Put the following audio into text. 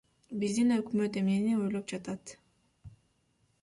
Биздин өкмөт эмнени ойлоп жатат?